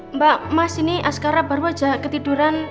emba mas ini azkara baru aja ketiduran